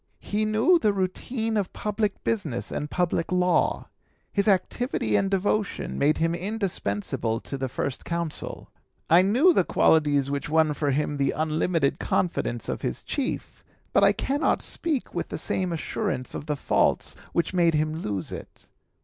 He knew the routine of public business and public law. His activity and devotion made him indispensable to the First Consul. I knew the qualities which won for him the unlimited confidence of his chief, but I cannot speak with the same assurance of the faults which made him lose it.